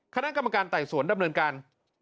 คณะกรรมการไต่สวนดำเนินการ